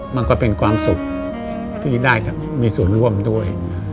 มันก็เป็นความสุขที่ได้มีส่วนร่วมด้วย